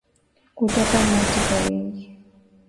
Kutokwa mate kwa wingi